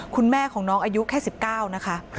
คุณแม่ของน้องอายุแค่๑๙นะคะ